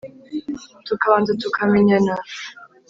tukabanza tukamenyana